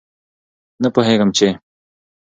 نه پوهېږم چې